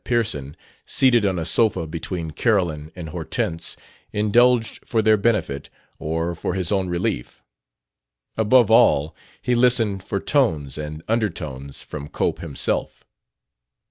Pearson, seated on a sofa between Carolyn and Hortense, indulged for their benefit, or for his own relief; above all, he listened for tones and undertones from Cope himself.